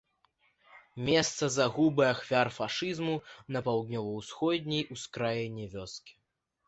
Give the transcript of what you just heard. Месца загубы ахвяр фашызму на паўднёва-ўсходняй ускраіне вёскі.